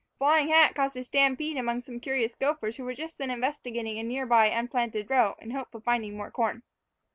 The flying hat caused a stampede among some curious gophers who were just then investigating a near by unplanted row in the hope of finding more corn.